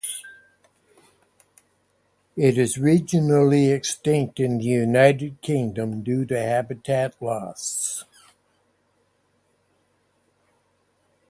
It is regionally extinct in the United Kingdom, due to habitat loss.